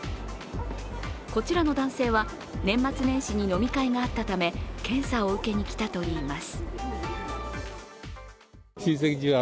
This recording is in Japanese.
こちらの男性は年末年始に飲み会があったため検査を受けに来たといいます。